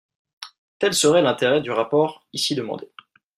Tel serait l’intérêt du rapport ici demandé.